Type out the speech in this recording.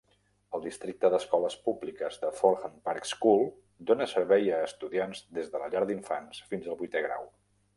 El districte d'escoles públiques de Florham Park School dona servei a estudiants des de la llar d'infants fins al vuitè grau.